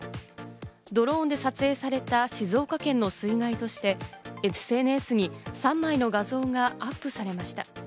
ドローンで撮影された静岡県の水害として、ＳＮＳに３枚の画像がアップされました。